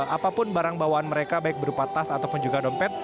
apapun barang bawaan mereka baik berupa tas ataupun juga dompet